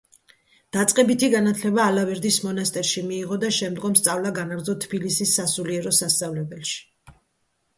დაწყებითი განათლება ალავერდის მონასტერში მიიღო და შემდგომ სწავლა განაგრძო თბილისის სასულიერო სასწავლებელში.